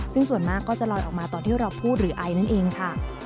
ซึ่งส่วนมากก็จะลอยออกมาตอนที่เราพูดหรือไอนั่นเองค่ะ